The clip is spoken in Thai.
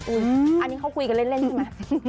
อุ๊ยอันนี้เขาคุยกันเล่นใช่ไหมค่ะ